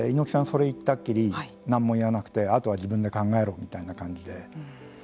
それ言ったきり何も言わなくてあとは自分で考えろみたいな感じで。